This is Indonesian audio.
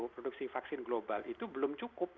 produksi vaksin global itu belum cukup